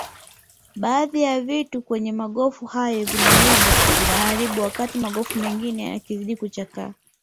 Baadhi ya vitu kwenye magofu hayo vinaibwa vinaharibiwa wakati magofu mengine yakizidi kuchakaa